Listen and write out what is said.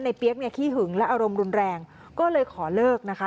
เปี๊ยกเนี่ยขี้หึงและอารมณ์รุนแรงก็เลยขอเลิกนะคะ